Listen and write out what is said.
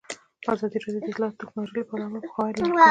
ازادي راډیو د اطلاعاتی تکنالوژي لپاره عامه پوهاوي لوړ کړی.